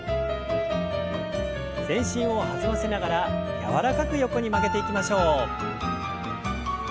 全身を弾ませながら柔らかく横に曲げていきましょう。